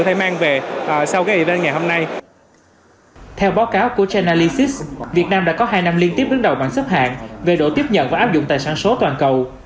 theo báo cáo của chainalysis việt nam đã có hai năm liên tiếp đứng đầu bằng sấp hạn về độ tiếp nhận và áp dụng tài sản số toàn cầu